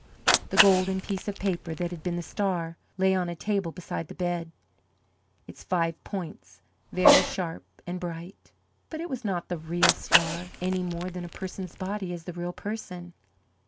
The golden piece of paper that had been the star lay on a table beside the bed, its five points very sharp and bright. But it was not the real star, any more than a person's body is the real person.